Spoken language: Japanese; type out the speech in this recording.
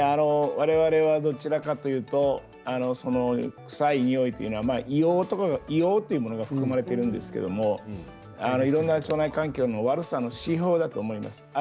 我々は、どちらかというと臭いにおいというのは硫黄とかいうものが含まれているんですけどいろんな腸内環境の悪さの指標だと思います。